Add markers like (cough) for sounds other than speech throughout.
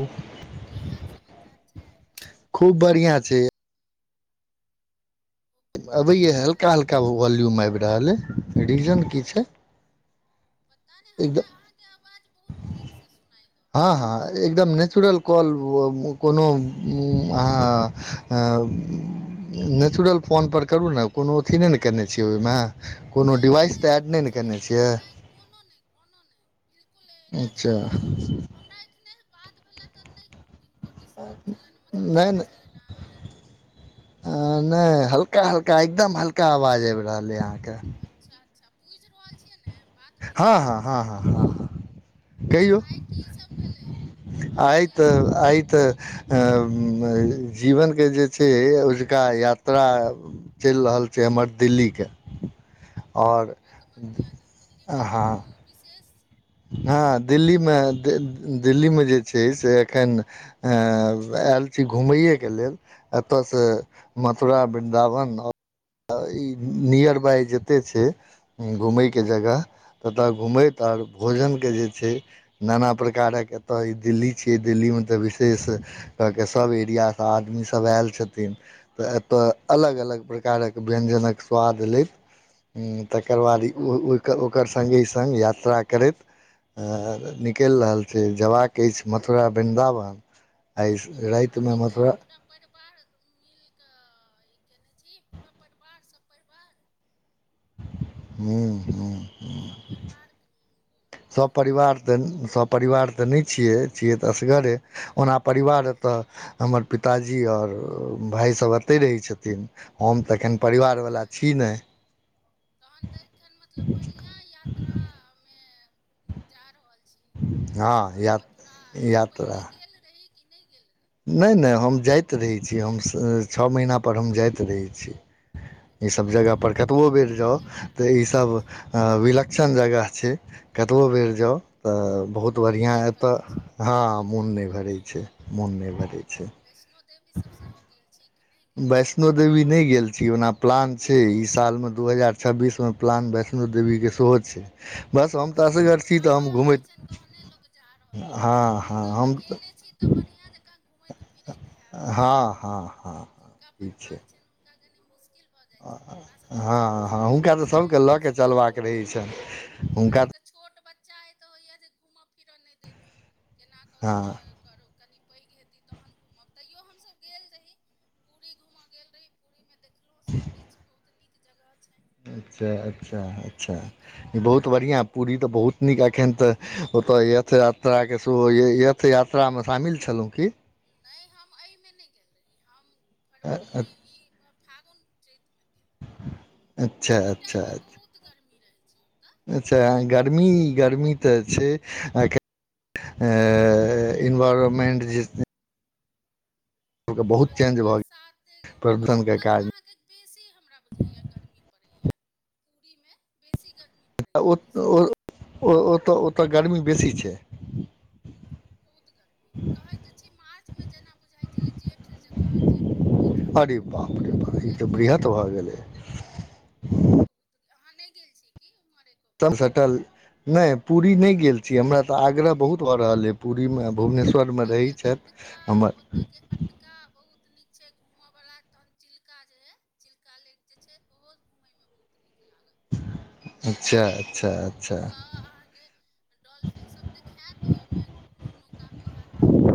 ओ की हाल-समाचार छै? खूब बढ़ियाँ छै। ओ बढ़िआँ अबैये छै नहि हल्का-हल्का व-वॉल्यूम ऐब रहल ऐ, रीजन की छै? पता नहि हमरा एकदम अहाँके आवाज बहुत नीकसँ सुनाइ दऽ रहल हँ हँ। अछि एकदम नेचुरल कल कोनो अहाँ। नेचुरल फोन परर करू ने कोनो अथी नहि ने कयने छियै, ओहिमे कोनो नहि नहि डिवाइस तऽ एड नहि ने किछु कयने छियै। नहि कोनो नहि कोनो नहि। बिलकुल एना अच्छा। छै लेकिन हमरा एखने बात भेले तऽ नहि किनको डिस्टर्ब छलनि मतलब ठीक नहि नहि छलनि आँय नहि हल्का हल्का एकदम हल्का आवाज आबि रहल ह अहाँ के। अच्छा अच्छा बुझि रहल छियै ने। बात बुझि हँ रहल हँ छियै हँ ने हँ हँ ह। कइौ तऽ आइ कीसभ भेलै आइ आइके त आइ तऽ जीवनके जे छै, अजुका यात्रा चलि रहल छै, हमर दिल्लीके आओर तहन तऽ बहुत बढ़िआँ जीत आहाँ। विशेष हँ छै दिल्लीमे दिल्लीमे जे छै, से एखन अ आयल छी घूमै एकेलेल। एतय से मथुरा वृन्दावन और ई नियर बाइ जेते छै। घूमय के जगह ततय घूमैत त भोजनके जे छै। नाना प्रकारक एतय ई दिल्ली छियै दिल्लीमे तऽ विशेष अके सभ एरियासँ आदमीसभ आयल छथिन। तऽ एतय अलग अलग प्रकारक व्यञ्जनक स्वाद लेैत। ह तकर बाद ओकर ओकर संगे संग यात्रा करैत निकलि रहल छै जबाक अछि मथुरा वृन्दावन आइ तऽ बहुत रातिमे नीक अइ मथुरा पूरा परिवार मिलकऽ ई कयने छी पूरा परिवार सभ परिवार ह ह सभ परिवार घुमि रहल सभ छी ने परिवार द सब परिवार तऽ नहि छियै छियै तऽ असगरे। ओना परिवार एतय हमर पिताजी आओर भायसभ एतहि रहै छथिन। हम तऽ तहन एखन बढ़िआँ परिवारवला अइ छी नहि। तहन तऽ एखन मतलब बढ़िया यात्रा मे जा रहल छी। हँ वृन्दावन या मथुरा एहिसँ यात्रा पहिले गेल रही कि नहि गेल रही। नहि नहि हम जाइत रहैत छी हम छओ महीनापर हम जाइत रहैत छी। तहन तऽ बहुत इसभ जगहपर बढ़िआँ अइ कतबो बेर बढ़िआँ जाउ यात्रा तऽ कऽ रहल इसभ छी विलक्षण जगह छै कतबो बेर जाउ तऽ। बहुत बढ़िआँ एतऽ हँ मोन नहि भरै छै मोन नहि भ वैष्णो देेवी सभ सेहो गेल छी कि नहि गेल छी। वैष्णो देवी नहि गेल छी ओना प्लान छै इ साल में दू हजार छबीस में प्लान वैष्णो देवी के सेहो छै। ह (unintelligible) बस हम तऽ हुनकर असगर छी तऽ बुलावा हम अबै घुमैत छनि तहने लोक जा रहल अइ हँ तहन हँ हम तऽ अकेले छी तऽ बढ़िआँ जकाँ घुमैत फिरैत हायब। हँ हँ। हँ जिनका ई छै परिवार छनि हुनका कनि मुश्किल भऽ जाइ छै हमरा सबके हँ हँ छोट हुनका बच्चा अइ सभके लऽ तऽ कऽ सोचऽ चलबाक पड़ैय रहै छनि हमरा हुनका सबके। छोट बच्चा अइ तऽ होइए जे घूमऽ फिरऽ नहि देत केनाकऽ ग हँ अय। करू कनि पैघ हेतै तहन घूमब तैयो हमसभ गेल रही। पूरी घूम गेल रही पूरीमे देखलहुँ सभकिछु बहुत नीक जगह छै। अच्छा अच्छा अच्छा। घूमयके बहुत बढ़िआँ पूरी तऽ बहुत नीक एखन तऽ ओतऽ यथ यात्राके सेहो। तै यात्रामे शामिल छलहुँ की। नइ हम अइमे नहि गेल रही हम फरवरी ई ईमे। फागुन चैत। अच्छा -अच्छा -अछ। बहुत गर्मी रहै छै ओतऽ। अच्छा गर्मी गर्मी तऽ छै अहाँकेँ। ऐँ इनवायरमेन्ट जे। बहुत एखन तऽ चेंज भऽ गेल बरसातेके प्रदूषणके ओतऽक कारण अहाँके। बेसी हमरा बुझाइया गर्मी पड़ैया पीमे बेसी गर्मी। तऽ पड़ैए उड़ीसामे ओत-ओ-ओ ओतऽ ओतऽ गर्मी बेसी छै। बहुत गर्मी कहै त छी मार्चमे जेना बुझाइ छलै जेठ जकाँ जेठ। मे जेहन अरे गर्मी बाप रे रौद बाप ई रहैय तऽ बृहत तेहन। भऽ गेलै। अहाँ नै गेल छी कि उम्हर एको। बेर एकदम सटल नै पूरी नइ गेल छी हमरा तऽ आग्रह बहुत भऽ रहल अइ। पुरीमे भुवनेश्वरमे ओतऽ रहै छैथि हमर। छोटका बहुत नीक छैथि। घूमऽ बला तहन चिलका जे अइ चिलका लेक जे छै ओहो घूमयमे बहुत नीक लागत। अच्छा-अच्छा-अच्छा। डॉल्फिनसब देखायत ओइमे घुमू नौका बिहार करू।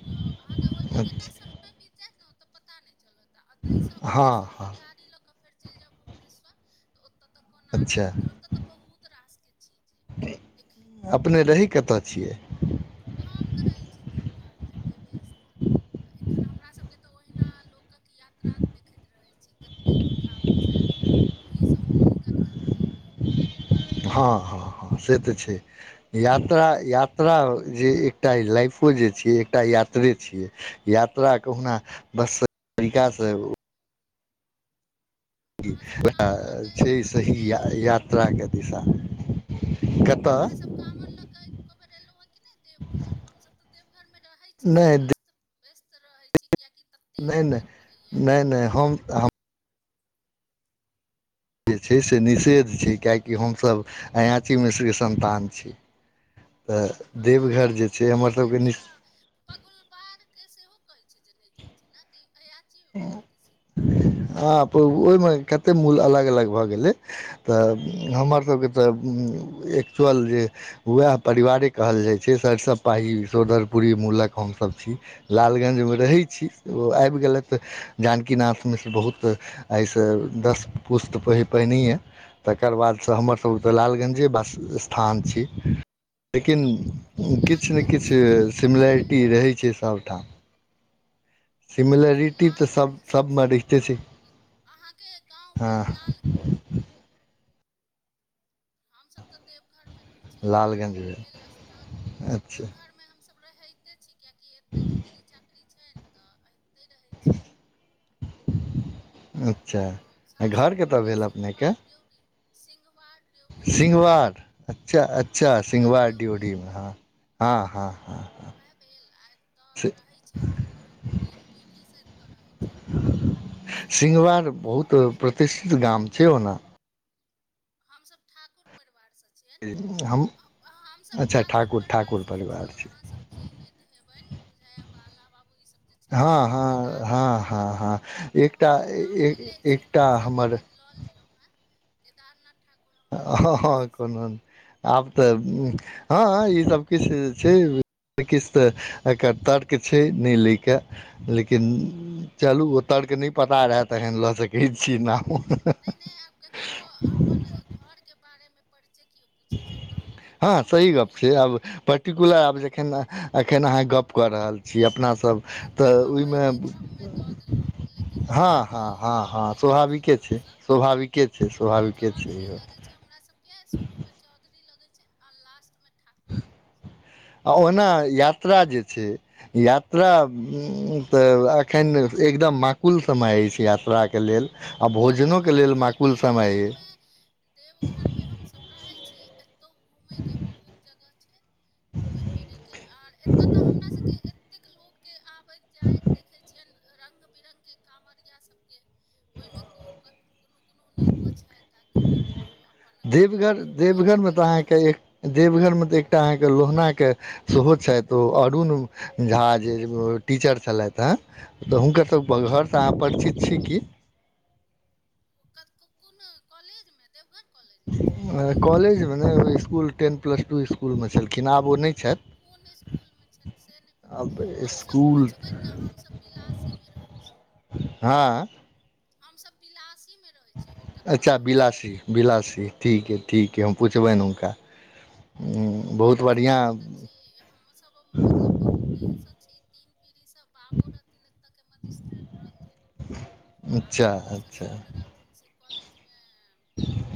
रहब अहाँके ओइमे केना समय बित जायत न त पता नइ चलत। तऽ अतैसँ हँ ओतसँ अहाँ हँ गाड़ी लऽ कऽ फेर चलि जाउ भुवनेश्वर। तऽ ओत तऽ कोनाराक अच्छा मंदिर ओत त बहुत रासके चीज अइ। देखैवला अपने रहै कतऽ छियै। आ हम तऽ रहै छी देवघरमे देवेस्थलमे तऽ एखन हमरासभके तऽ ओहिना लोक। कथयात्रा देखैत रहै छी कते लोक आबै छैथि ओहिसँ मोन गदगद भेल रहै। हँ-हँ-हँ से तऽ छै। यात्रा यात्रा जे एकटा लाइफो जे छियै एकटा यात्रे छियै। यात्रा कहुना बस तरीकाँसे उ। अहाँसभ काँवर लऽ अँ कऽ छै एलहुँ हेँ कि सही या नहि यात्राके दिशा। कतय अहाँ सब काँवर लऽ कऽ एको बेर एलौहं कि नै। देवघर हमसभ तऽ देवघरमे रहै छी से नहि अस्त व्यस्त रहै छी कियाकि त। नइ-नइ-नइ-नइ हम त हम। जे छै से निषेध छै कियाकि हमसभ अयाची मिश्रके सन्तान छी। तऽ हँ देवघर जे बहुत छै लोक हमरसबके नि। अच्छा पगुलबारके सेहो कहै छै जे नै जाइ छै न कि अयाचीवलाके से। आँ पगु ओइमे कते मूल अलग अलग भऽ गेलै। तऽ हमरसभके तऽ एक्चुअल जे। वैह परिवारे कहल जाइत छै, सरिसब पाही सोदरपुरी मूलक हमसभ छी। लालगंज मे रहै छी, ओ आइब गेलैथ। जानकीनाथ मिश्र बहुत्त, आय सँ दस पुस्त प- पहिनैहें। तकर बादसँ हमरसभ तऽ लालगंजे बास- स्थान छी, लेकिन किछ ने किछ लालगंजसँ छी अहाँ सिमिलेरिटी नहि रहै छै सबठाम। अच्छा तऽ सभ लालगंजसँ सभमे छी रहिते छै अहां, ल-अहाँके गाँव हँ भेल लालगंज। हमसभ तऽ देवघरमे रहै छी, हम्मर भेल स्थान अच्छा देवघरमे हमसभ रहैतेछी, कियेकि एत्ते नौकरी चाकरी छैन तऽ, एत्तय रहै छी। आओर ओ अच्छा घर सासुर भऽ कतऽ गेल भेल अपनेके सिंहबार ड्योढ़ी, सिंहवार ड्योढ़ी भेल सिङंगवार, अच्छा -अच्छा सिंहवार सिङंगवार ड्योढ़ी ढ्योढ़ीमे हँ। हँ हँ हँ- वैह भेल, आ एत्त रहै छैथ, मतलब् तीन पीढ़ी स एत्तऽ रहै छैथ त सिहवार बहुत प्रतिष्ठित गाम छै ओना। हमसब ठाकुर परिवारसँ छियैन, हम हमसब अच्छा ठाकुर ठाकुर परिवारसँ परिवार छियै, छी अहाँसभ चिन्हनैत हेबैन। बुझाइयै बाला बाबू ई सब जे हँ छलखिनने, हँ केदारनाथ हँ हँ ठाकुर हँ ओ एकटा हमर नाम नय लय छियैन एकटा नाम सब, हमर लेकिन लऽ लेलहुँहेँ। केदारनाथ - हँ हँ कोनो, आब तऽ हँहं, ईसब किछ छै। नै किछ तऽ एकर तर्क छै, नय लैयकेऽ, लेकिन चलू ओतर्क नय पता रहैऽ त तहन लऽ सकै छी नाम। नै आब ककरो अप्पन घरके बारेमे परचय कियो पूछै छैथ तहन तऽ हँ देबऽ सही गप पड़ैयैऽ। छै आब पट्ट- र्टकुलर आब जखन अ -अखन अहाँ गप कऽ रहल छी, अपना सब। छी तऽ ओयमे, ओहिके क्रममे दऽ देलहुँ लेकिन हँ ओना -हँ नहि -हँ- नाम हँ नहि लै छियनि स्वाभाविके छै। हमसभ स्वाभाविके छै, स्वाभाविके छै, यौ। छे हमरा सब के शुरू में चौधरी लगय छै और लास्ट में ठाकुर लगै छै। आ ओहुना यात्रा जे छै यात्रा, उं-त एख्खन एकदम माकुल समय अइछ यात्राके लेल। आ तै तऽ भोजनोके लेल कहलहुँ हेँ माकुल समय अइ। देवघरमे देवघरमे हमसभ रहै छी एतौ घूमयके बहुत जगह छै। घुमै फिरैके, आर एतऽतऽ हमरा सभके एतेक लोकके आब बैत जाइत देखैत छियैन रङ्ग -बिरङ्गके काँवरिया सबके, ओहिमे कोइ क- कुनो कुनो नीको छैथ आ कुनो कुनो अप- देवघर, देवघरमे तऽ अहाँके एक देवघरमे तऽ एकटा अहाँके लोहनाके सेहो छैथ, ओ अरुण झा जे टीचर छलैथहे? तऽ हुनकर तऽ घर तऽ अहाँ परिचित छी की? क-क-कोन कॉलेजमे देवघर? कॉलेजमे छलथि की कॉलेजमे नय इसकुल टेन प्लस टू इसकुलमे छलखिन आब ओ नय छैथ। कोन इसकुलम्? अछा से नय पता आब हमसब इसकुल पुछबैने हमसब पिलासीमे रहै छी। हँऽऽ- हमसब पिलासीमे रहै छी, ओ कतय अच्छा रहै छथि बिलासी बिलासी ठीक अइ ठीक अइ हम पुछबनि उनका। हमर सबके एतऽ छी हमुसभ मतलब बहुत दिनस छी तीन पीढ़ीस बाबो रहथिन एत के मजिस्ट्रेट रहथिन। आर अच्छा हमर अच्छा ससुर रहथिन से कॉलेजमे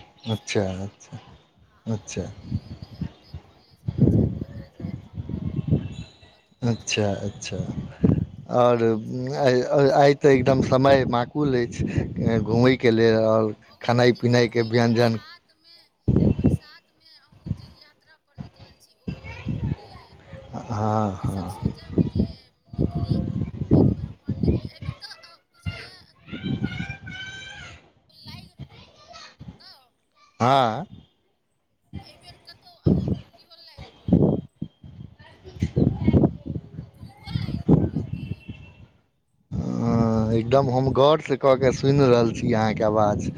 प्रोफेसर अच्छा रहथिन अच्छा आ हमर अच्छा घरबैयो से एत्तइ कॉलेजमे छथि एज ए एकाउंटेंट। अच्छा अच्छा ताहि और दुआरे हमसभ तीन आइ आइ पीढ़ीसँ आइ तऽ एकदम समय माकुल अछि घुमैके लेल और बहुत नीक अइ की बरसात मे बरसात मे अहूं जे यात्रा पर निकलल छी ओहो अद्भुते कि आ हँ हमहुँ हँ सब सोचब जे निकली एक बेर उम्हर निकली एइ बेर तऽ अ बुझाइयै (unintelligible) ओ लागि रहल ओत हँ अइ बेर कतउ अ इहो लागि रहल अइ न कुम्भो लाइग रहल अइ की? हँ एकदम हम गौरसे कऽ के सुनि रहल छी अहाँके आवाज।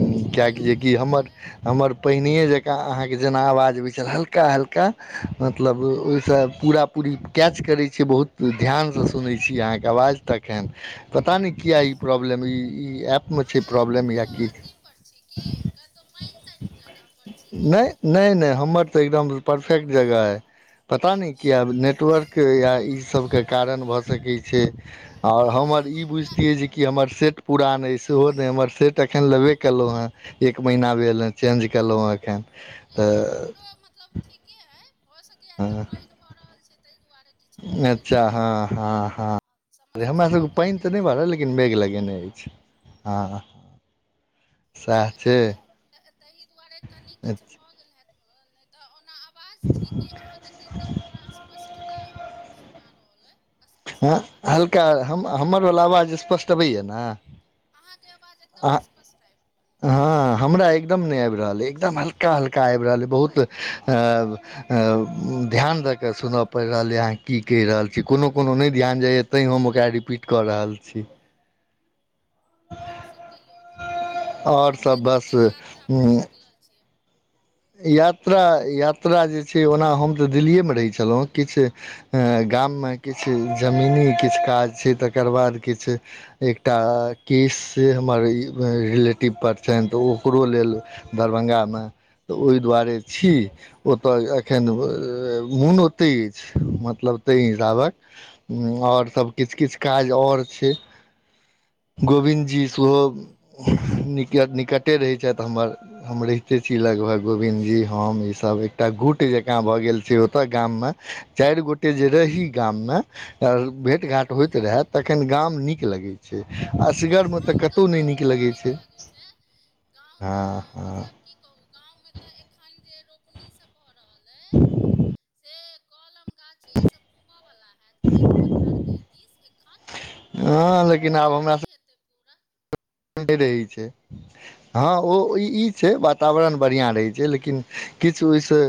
कुम्भो किएक लागि जेकि रहल हमर अइ हमर पहिनैयै जकाँ अहाँके जेना आवाज अबै छल हल्का हल्का मतलब ओइस पूरा पूरी कैच करै छै बहुत ध्यानस सुनै छी अहाँके आवाज। तखनि पता नै किया ई प्रॉब्लम ई ई एप मे छै प्रॉब्लम या की अथी पर छी की कतउ पाइन ताइन जगह पर छी की? नै नै हमर तऽ एकदम परफेक्ट जगह कि। पता नै कियै आब नेटवर्क या इसबके कारण भऽ सकै छै। और अँ हमर ई किया बुझतियै जेकि हमर सेट पुरान अइ सेहो नै हमर सेट एखन लेबे केलहुँ हैं। एक महीना भेल हैं चेंज केलौं हैं एखेन। नै नै हमरो मतलब ठीके अइ भऽ सक हं हं भऽ रहल छै तइ दुआरे किछु भऽ गेल अच्छा हेतै हां हां हां नै समस्या एहि हमरासभके पाइन दुआरे तऽ नहि भ आबि रहल गेल लेकिन हैत मेघ लगेने अइछ। हां सैह छै। तहि दुआरे कनि किछु भऽ गेल हैत (unintelligible) तऽ ओना आवाज ठीके अहाँके तऽ एकदम हमरा स्पष्टता अ सुना रहल अइ। स्पष्ट हँ आवाज हल्का हम हमरबला आवाज स्पष्ट अबैए ने? आहाँ पस्ट आइब हँ हमरा एकदम नै आबि रहल अइ एकदम हल्का हल्का आबि रहल अइ बहुत अऽ अ ध्यान दऽ कऽ सुन पड़ि रहल अइ अहां की कहि रहल छी कोनो कोनो नै ध्यान जाइए तैँ हम ओकरा रिपीट कऽ रहल छी। आओर सब कहियौ तहन आइ आओर कते सभ दिनके यात्रा पर बस निकलल छियै? यात्रा यात्रा जे छै ओना हम तऽ दिल्लिएमे रहै छलहुँ किछ गाममे किछ जमीनी किछ काज छै तकर बाद किछ। एकटा केस हमर रिलेटिव पर छनि तऽ ओकरो लेल दरभंगामे तऽ ओहि दुआरे छी ओतय एखन मोन ओतय अछि मतलब ताहि हिसाबक। आओर सब किछु किछु काज आओर छै। (unintelligible) गोविन्द जी सेहो निक निकटे रहैत छथि हमर हम रहिते छी लगभग। गोविंन्द जी हम ई सब एकटा गुट जकाँ भए गेल छी ओतऽ गाम मे चारि गोटे जे रही गाम मे भेट घाट बड्ड होइत मोन रहए लगैए तखन गाम नीक लगै। गाँव तऽ बहुत नीक लगै छै गाँव तऽ हँ हँ मतलब। की कहू गाममे तऽ एखन जे रोपनी सब भऽ रहल अइ से। कलम गाछी ई सब घूमऽवला हयत खेत पथारके दिस एखन हँ लेकिन आब हमरा सब। हेतैय पूरा। के रहे छैय। हँ ओ ई छै वातावरण बढ़िआँ रहै छै लेकिन किछु ओहिसँ।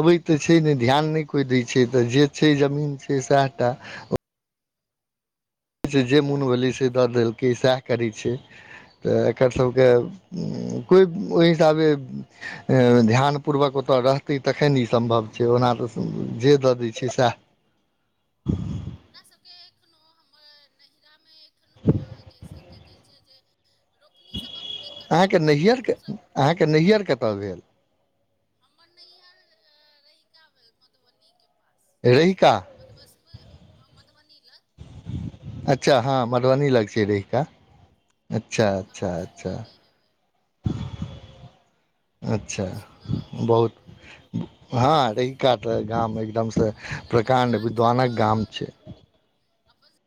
अबैत तऽ छै नहि ध्यान नहि कोइ दैत छै तऽ जे छै जमीन छै सएहाटा। जेमोन भेलैय से दऽ देलकै सएह करै छेय। तऽ एकर सभके कोइ ओहि हिसाबे ध्यानपूर्वक ओतय रहतै तखन ई सम्भव छै ओना तऽ जे दऽ दैय छैै सएह। नैहिरामे एखनो अहाँके से की कहै छै जे। रोपनीसभ अपने अहाँके कराबैत छथि तऽ नैहरके हमसभ अहाँके नैहियर कतऽ भेल हमर नैहिर रहिका भेल मधुबनीके पास जे छै। रहिका मधुबसमे मधुबनी लग। अच्छा हँ मधुबनी लाग छै रहिका। अच्छा अच्छा गाँव अच्छा। सुनने हेबै अच्छा गाँव सुनल अछि बहुत अहाँके हँ रहिका तऽ गाम एकदम। अपन सभके प्रकांण्ड मिथिलाञ्चलो विद्वानक गाम छै। (unintelligible)